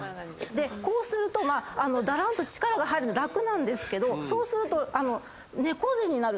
こうするとだらんと力が楽なんですけどそうすると。